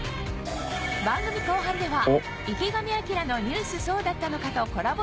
番組後半では『池上彰のニュースそうだったのか！！』とコラボ